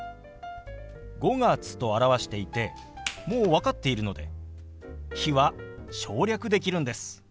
「５月」と表していてもう分かっているので「日」は省略できるんです。